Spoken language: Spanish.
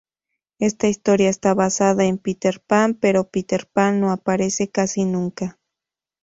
Esta historia está basada en Peter Pan pero Peter Pan no aparece casi nunca.